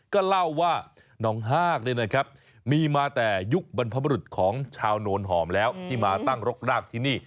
ก็เล่าว่าน้องฮากมีมาแต่ยุคบรรพบรุษของชาวโนนหอมแล้วที่มาตั้งรกรากที่นี่